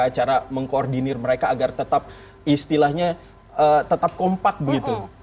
cara mengkoordinir mereka agar tetap istilahnya tetap kompak begitu